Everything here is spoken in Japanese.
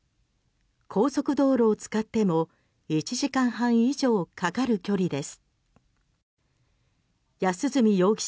高速道路を使っても１時間半以上かかる距離です。